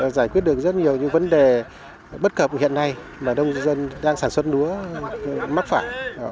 giải quyết được rất nhiều những vấn đề bất cập hiện nay mà đông dân đang sản xuất lúa mắc phải